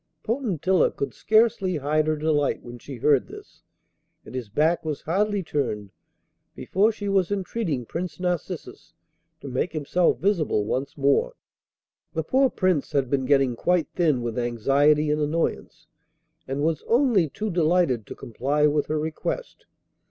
Potentilla could scarcely hide her delight when she heard this, and his back was hardly turned before she was entreating Prince Narcissus to make himself visible once more. The poor Prince had been getting quite thin with anxiety and annoyance, and was only too delighted to comply with her request.